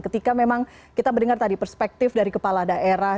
ketika memang kita mendengar tadi perspektif dari kepala daerah